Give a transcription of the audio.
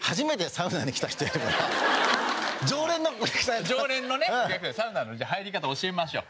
サウナのじゃあ入り方教えましょう。